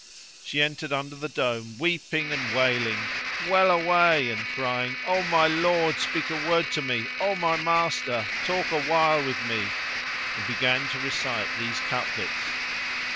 She entered under the dome weeping and wailing, "Well away!" and crying, "O my lord! speak a word to me! O my master! talk awhile with me!" and began to recite these couplets.